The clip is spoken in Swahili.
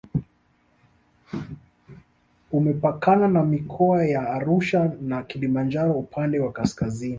Umepakana na mikoa ya Arusha na Kilimanjaro upande wa kaskazini